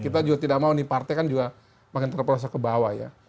kita juga tidak mau nih partai kan juga makin terperosok ke bawah ya